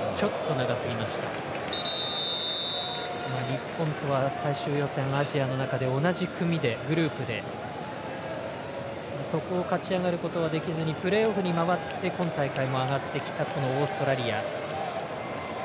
日本とは最終予選アジアの中で同じグループでそこを勝ち上がることはできずにプレーオフに回って今大会も上がってきたオーストラリア。